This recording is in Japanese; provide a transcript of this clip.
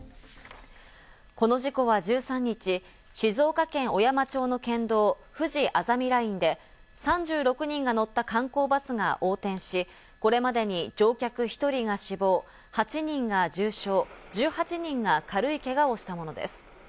この事故は１３日、静岡県小山町の県道、ふじあざみラインで、３６人が乗った観光バスが横転し、これまでに乗客１人が死亡、８人が重傷、１８人が軽いけがをしたものです。